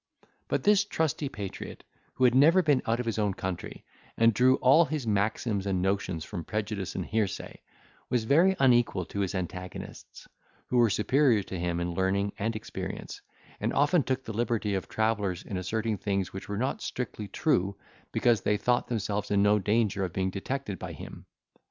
But this trusty patriot, who had never been out of his own country, and drew all his maxims and notions from prejudice and hearsay, was very unequal to his antagonists, who were superior to him in learning and experience, and often took the liberty of travellers in asserting things which were not strictly true, because they thought themselves in no danger of being detected by him.